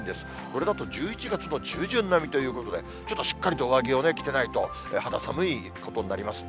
これだと１１月の中旬並みということで、ちょっとしっかりと上着を着てないと肌寒いことになります。